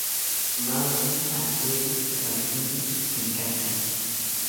Maweni atziri rakiri pinkatsari